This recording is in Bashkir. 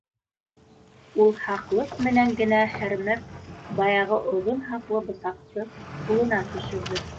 Ул һаҡлыҡ менән генә һәрмәп баяғы оҙон һаплы бысаҡты ҡулына төшөрҙө